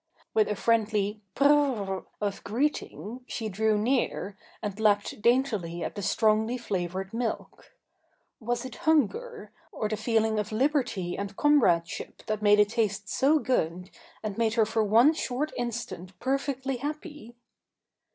With a friendly "P r r r rh!" of greeting she drew near, and lapped daintily at the strongly flavoured milk. Was it hunger, or the feeling of liberty and comradeship that made it taste so good and made her for one short instant perfectly happy?